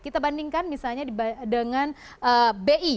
kita bandingkan misalnya dengan bi